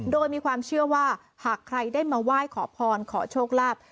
โดยมีความเชื่อว่าหากใครได้มาไหว้ขอพรขอโชคลาภ